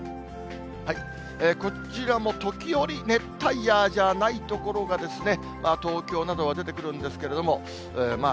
こちらも時折、熱帯夜じゃない所が、東京などは出てくるんですけれども、まあ、